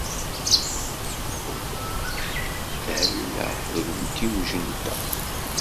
Thella deg umtiweg-nteɣ.